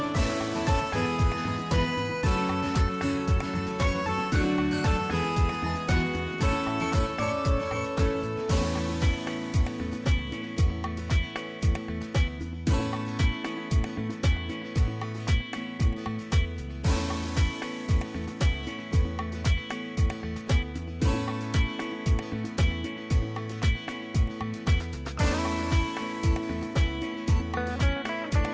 สวัสดีครับ